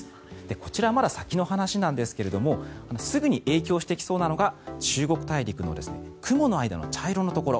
こちら、まだ先の話なんですがすぐに影響してきそうなのが中国大陸の雲の間の茶色のところ。